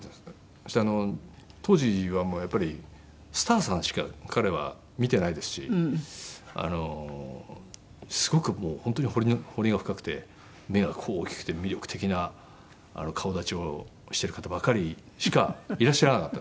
そして当時はやっぱりスターさんしか彼は見てないですしすごく本当に彫りが深くて目がこう大きくて魅力的な顔立ちしてる方ばかりしかいらっしゃらなかった。